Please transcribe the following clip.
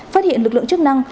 phát hiện lực lượng chức năng